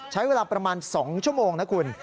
ใช้เวลาประมาณ๒ชั่วโมงนะคุณ